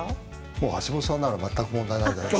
もう橋本さんなら全く問題ない。